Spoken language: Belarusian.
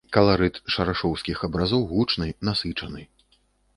Каларыт шарашоўскіх абразоў гучны, насычаны.